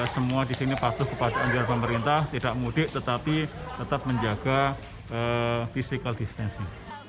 semua disini patuh kepada anggota pemerintah tidak mudik tetapi tetap menjaga fisikal distensi